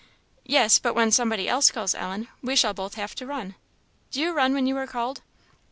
"Yes, but when somebody else calls 'Ellen,' we shall both have to run. Do you run when you are called?"